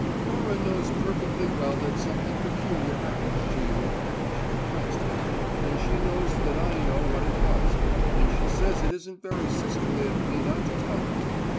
"Cora knows perfectly well that something peculiar happened to you," she advised him. "And she knows that I know what it was; and she says it isn't very sisterly of me not to tell her.